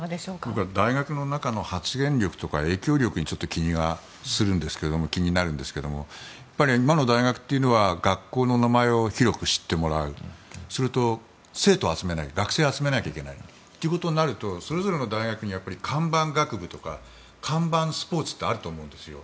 僕は大学の中の発言力とか影響力がちょっと気になるんですが今の大学というのは学校の名前を広く知ってもらうそれと学生を集めなきゃいけないということになるとそれぞれの大学に看板学部とか看板スポーツってあると思うんですよ。